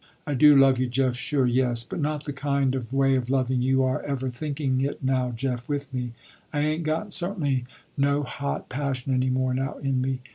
I do love you Jeff, sure yes, but not the kind of way of loving you are ever thinking it now Jeff with me. I ain't got certainly no hot passion any more now in me.